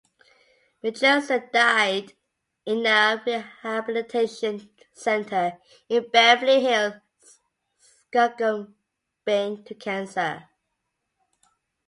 Mitchelson died in a rehabilitation center in Beverly Hills, succumbing to cancer.